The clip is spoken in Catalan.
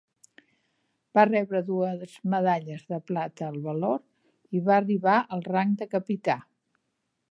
Va rebre dues medalles de plata al valor i va arribar al rang de capità.